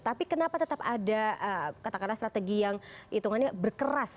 tapi kenapa tetap ada katakanlah strategi yang hitungannya berkeras